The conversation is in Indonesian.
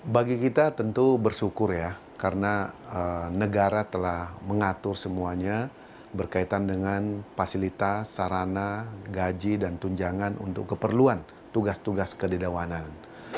bagi kita tentu bersyukur ya karena negara telah mengatur semuanya berkaitan dengan fasilitas sarana gaji dan tunjangan untuk keperluan tugas tugas kededawanan